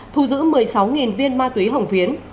thu giữ một mươi sáu viên ma túy hồng phiến